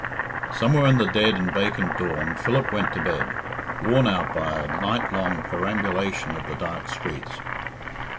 Somewhere in the dead and vacant dawn Philip went to bed, worn out by a night long perambulation of the dark streets.